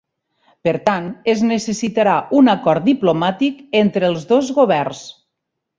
Per tant, es necessitarà un acord diplomàtic entre els dos governs.